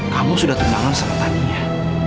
kamu sudah ternangan selatannya